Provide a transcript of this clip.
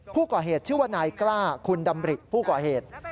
ผู้ก่อเหตุชื่อว่านายกล้าคุณดำริผู้ก่อเหตุ